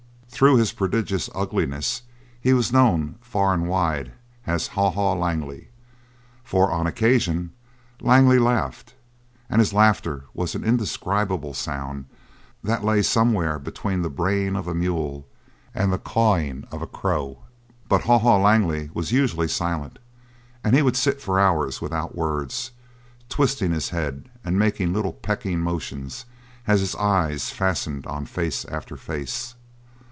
Through his prodigious ugliness he was known far and wide as "Haw Haw" Langley; for on occasion Langley laughed, and his laughter was an indescribable sound that lay somewhere between the braying of a mule and the cawing of a crow. But Haw Haw Langley was usually silent, and he would sit for hours without words, twisting his head and making little pecking motions as his eyes fastened on face after face.